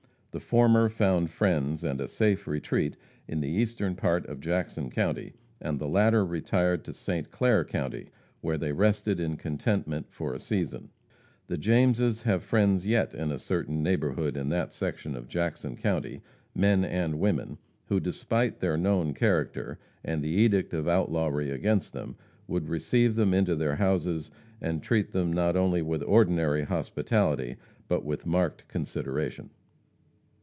The former found friends and a safe retreat in the eastern part of Jackson county, and the latter retired to St. Clair county, where they rested in contentment for a season. The Jameses have friends yet in a certain neighborhood in that section of Jackson county men and women who, despite their known character, and the edict of outlawry against them, would receive them into their houses and treat them not only with ordinary hospitality, but with marked consideration.